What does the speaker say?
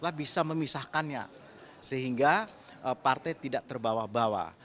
kita bisa memisahkannya sehingga partai tidak terbawa bawa